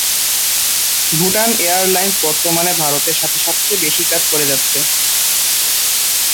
Bhutan airlines বর্তমানে ভারতের সাথে সবচেয়ে বেশি কাজ করে যাচ্ছে।